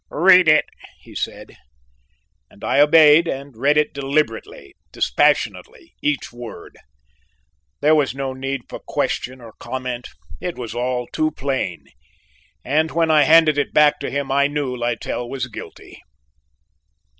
"Read it," he said, and I obeyed, and read it deliberately, dispassionately, each word. There was no need for question or comment, it was all too plain, and when I handed it back to him I knew Littell was guilty.